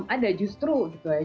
ada justru gitu ya